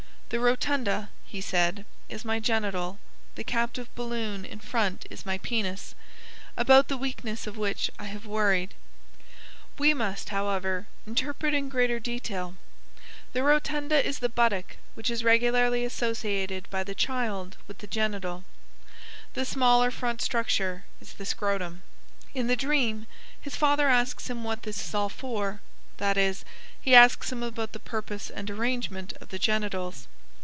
"The Rotunda," he said, "is my genital, the captive balloon in front is my penis, about the weakness of which I have worried." We must, however, interpret in greater detail; the Rotunda is the buttock which is regularly associated by the child with the genital, the smaller front structure is the scrotum. In the dream his father asks him what this is all for that is, he asks him about the purpose and arrangement of the genitals.